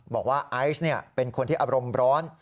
บอกว่าไอซ์เป็นคนที่อบรมร้อน